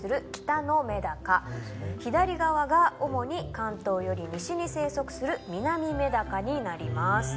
左側が主に関東より西に生息するミナミメダカになります。